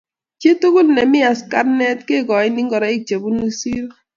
chitokol nemii askarnat kekoini ngoroik chebunuu siroo